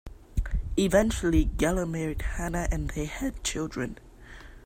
Eventually, Geller married Hannah and they had children.